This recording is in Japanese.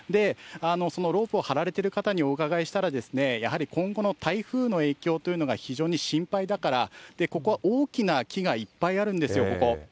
そのロープを張られてる方にお伺いしたら、今後の台風の影響というのが非常に心配だから、ここは大きな木がいっぱいあるんですよ、ここ。